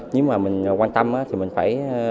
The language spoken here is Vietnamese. nếu mà mình quan tâm thì mình phải